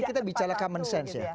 kita bicara common sense ya